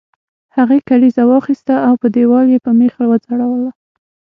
هغې کلیزه واخیسته او په دیوال یې په میخ وځړوله